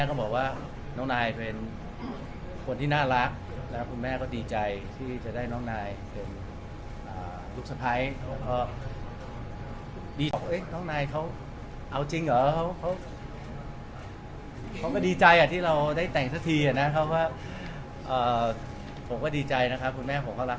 ค่ะค่ะค่ะค่ะค่ะค่ะค่ะค่ะค่ะค่ะค่ะค่ะค่ะค่ะค่ะค่ะค่ะค่ะค่ะค่ะค่ะค่ะค่ะค่ะค่ะค่ะค่ะค่ะค่ะค่ะค่ะค่ะค่ะค่ะค่ะค่ะค่ะค่ะค่ะค่ะค่ะค่ะค่ะค่ะค่ะค่ะค่ะค่ะค่ะค่ะค่ะค่ะค่ะค่ะค่ะค